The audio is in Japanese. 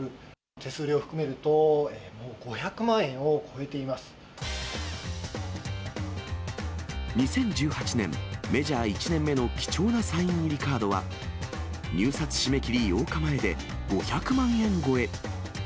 手数料含めると、もう５００万円２０１８年、メジャー１年目の貴重なサイン入りカードは、入札締め切り８日前で５００万円超え。